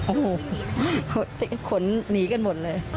โอ้โหขนหนีกันหมดเลย